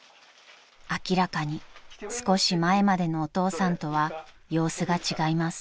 ［明らかに少し前までのお父さんとは様子が違います］